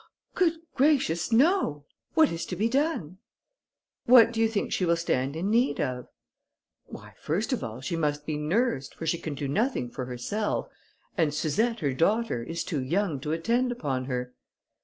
"Good gracious, no! What is to be done?" "What do you think she will stand in need of?" "Why, first of all, she must be nursed, for she can do nothing for herself, and Suzette, her daughter, is too young to attend upon her."